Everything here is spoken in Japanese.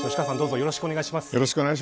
よろしくお願いします。